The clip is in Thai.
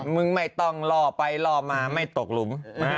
มึงไม่ต้องลอไปลอมาไม่ตกลุ้ม